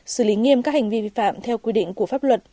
xử lý nghiêm các hành vi vi phạm theo quy định của pháp luật